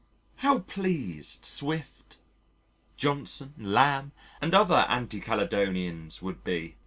"How pleased Swift, Johnson, Lamb, and other anti Caledonians would be...."